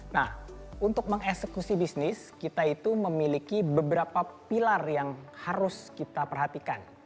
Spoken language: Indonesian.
nah untuk mengeksekusi bisnis kita itu memiliki beberapa pilar yang harus kita perhatikan